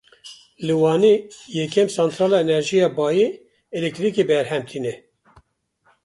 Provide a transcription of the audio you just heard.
Li Wanê yekem santrala enerjiya bayê, elektrîkê berhem tîne.